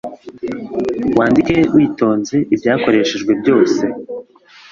Wandike witonze ibyakoreshejwe byose.